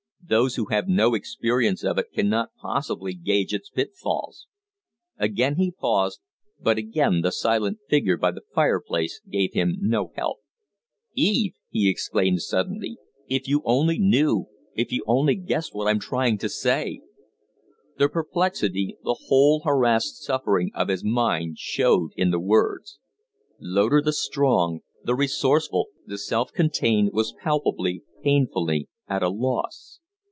Those who have no experience of it cannot possibly gauge its pitfalls " Again he paused, but again the silent figure by the fireplace gave him no help. "Eve," he exclaimed, suddenly, "if you only knew, if you only guessed what I'm trying to say " The perplexity, the whole harassed suffering of his mind showed in the words. Loder, the strong, the resourceful, the self contained, was palpably, painfully at a loss.